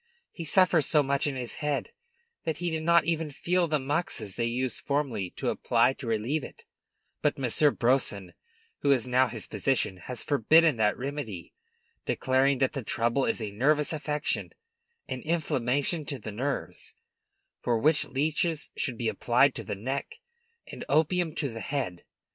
He suffers so much in his head that he did not even feel the moxas they used formerly to apply to relieve it; but Monsieur Brousson, who is now his physician, has forbidden that remedy, declaring that the trouble is a nervous affection, an inflammation of the nerves, for which leeches should be applied to the neck, and opium to the head.